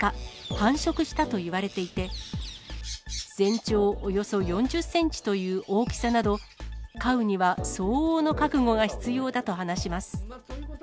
繁殖したといわれていて、全長およそ４０センチという大きさなど、飼うには相応の覚悟が必要だと話します。